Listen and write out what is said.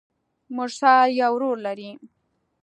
مرسل يو ورور لري.